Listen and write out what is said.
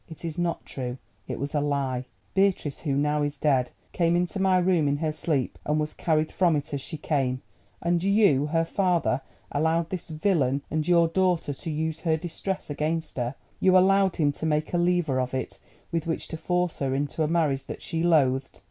It is not true; it was a lie. Beatrice, who now is dead, came into my room in her sleep, and was carried from it as she came. And you, her father, allowed this villain and your daughter to use her distress against her; you allowed him to make a lever of it, with which to force her into a marriage that she loathed.